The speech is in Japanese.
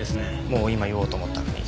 もう今言おうと思ったのに。